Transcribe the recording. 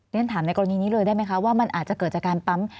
ฉันถามในกรณีนี้เลยได้ไหมคะว่ามันอาจจะเกิดจากการปั๊ม